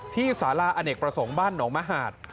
สาราอเนกประสงค์บ้านหนองมหาด